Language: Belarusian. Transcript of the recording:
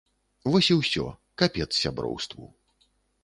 Вось і ўсё, капец сяброўству.